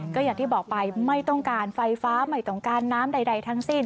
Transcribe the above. ก็อย่างที่บอกไปไม่ต้องการไฟฟ้าไม่ต้องการน้ำใดทั้งสิ้น